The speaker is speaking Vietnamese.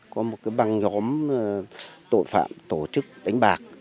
có một băng nhóm tội phạm tổ chức đánh bạc